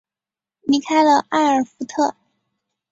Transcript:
离开了艾尔福特。